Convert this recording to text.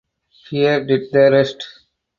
Fear did the rest.